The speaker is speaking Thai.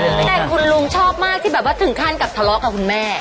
แต่คุณลุงชอบมากที่แบบว่าถึงขั้นกับทะเลาะกับคุณแม่